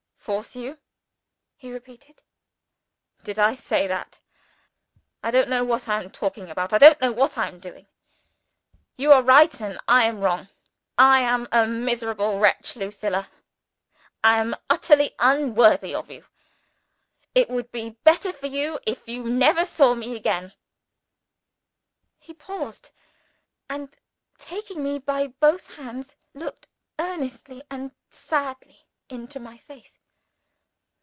"Force you?" he repeated. "Did I say that? I don't know what I am talking about; I don't know what I am doing. You are right and I am wrong. I am a miserable wretch, Lucilla I am utterly unworthy of you. It would be better for you if you never saw me again!" He paused; and taking me by both hands, looked earnestly and sadly into my face.